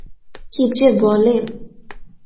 কি যে বলেন!